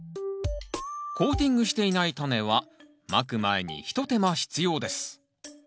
コーティングしていないタネはまく前に一手間必要です